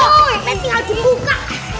paling penting aja buka